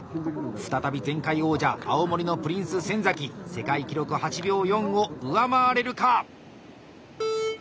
再び前回王者青森のプリンス・先世界記録８秒４を上回れるか？